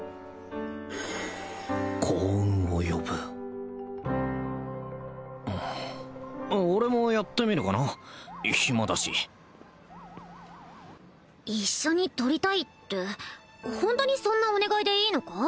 幸運を呼ぶ俺もやってみるかな暇だし一緒に撮りたいってホントにそんなお願いでいいのか？